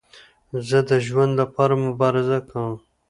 زه د ژوند له پاره مبارزه کوم.